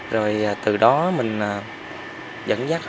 rồi từ đó mình dẫn dắt cho họ